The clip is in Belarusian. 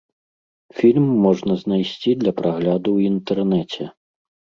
Фільм можна знайсці для прагляду ў інтэрнэце.